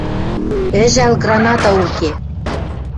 — Ӹжӓл, граната уке!..